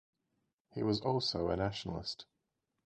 He was also a nationalist.